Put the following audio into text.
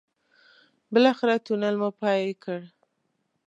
بالاخره تونل مو پای کړ.